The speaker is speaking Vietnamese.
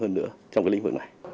hơn nữa trong cái lĩnh vực này